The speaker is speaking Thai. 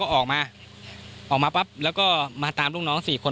ออกมาปั๊บแล้วมาตามลูกน้องสี่คน